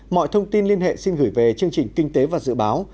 mọi thông tin liên hệ xin gửi về chương trình kinh tế và dự báo